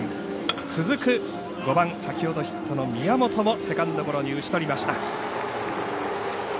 続く、５番先ほどヒットの宮本もセカンドゴロに打ち取りました。